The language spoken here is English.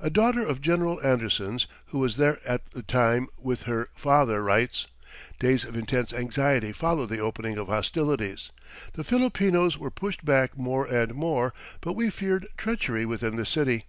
A daughter of General Anderson's, who was there at the time with her father, writes: "Days of intense anxiety followed the opening of hostilities. The Filipinos were pushed back more and more, but we feared treachery within the city.